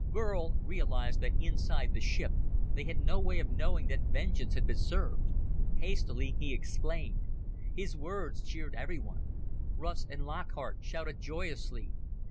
Burl realized that inside the ship they had no way of knowing that vengeance had been served. Hastily, he explained. His words cheered everyone. Russ and Lockhart shouted joyously.